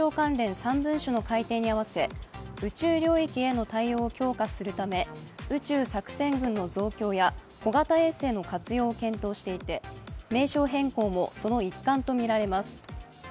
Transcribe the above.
３文書の改定に合わせ宇宙領域への対応を強化するため宇宙作戦群の増強や小型衛星の活用を検討していて名称変更もその一環とみられます。